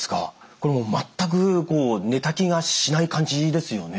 これもう全く寝た気がしない感じですよね。